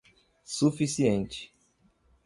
Suficiente